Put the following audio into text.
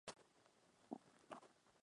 Igualmente, lo hace como terminal de carga.